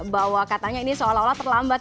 bahwa katanya ini seolah olah terlambat